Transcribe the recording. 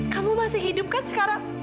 kamu masih hidup kan sekarang